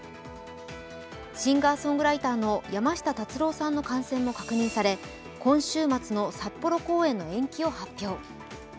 シンガーソングライターの山下達郎さんの感染も確認され今週末の札幌公演の延期を発表。